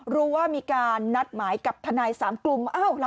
รู้ว่ามีการนัดหมายกับทนาย๓กลุ่ม